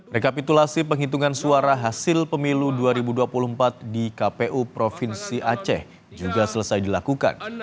rekapitulasi penghitungan suara hasil pemilu dua ribu dua puluh empat di kpu provinsi aceh juga selesai dilakukan